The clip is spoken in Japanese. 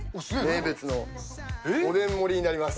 名物のおでん盛りになります。